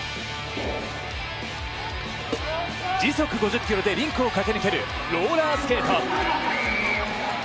時速５０キロでリンクを駆け抜けるローラースケート。